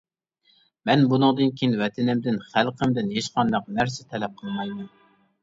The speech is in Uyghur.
مەن بۇنىڭدىن كىيىن ۋەتىنىمدىن، خەلقىمدىن ھېچقانداق نەرسە تەلەپ قىلمايمەن.